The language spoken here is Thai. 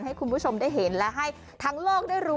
ให้คุณผู้ชมได้เห็นและให้ทั้งโลกได้รู้